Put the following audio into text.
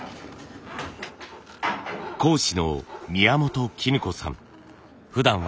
講師の宮本衣子さん。